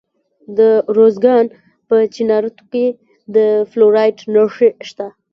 د ارزګان په چنارتو کې د فلورایټ نښې شته.